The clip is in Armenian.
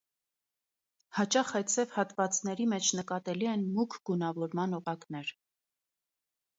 Հաճախ այդ սև հատվածների մեջ նկատելի են մուգ գունավորման օղակներ։